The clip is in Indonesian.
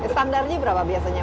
standarnya berapa biasanya